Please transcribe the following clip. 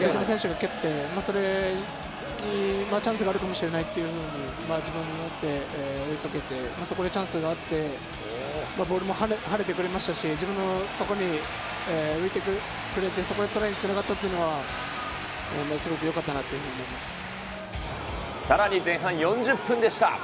別の選手が蹴って、それでチャンスがあるかもしれないと自分持って、追いかけて、そこでチャンスがあって、ボールもはねてくれましたし、自分の所に浮いてくれて、そこでトライにつながったというのは、すごくよさらに前半４０分でした。